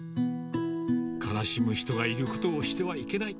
悲しむ人がいることをしてはいけない。